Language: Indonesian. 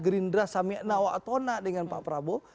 geri indra sama nawa atona dengan pak prabowo